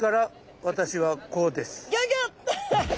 ギョギョッと！